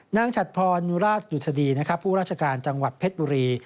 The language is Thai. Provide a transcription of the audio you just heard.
นางชัดพรนุราชหยุดสดีผู้ราชการจังหวัดเพชรปุรี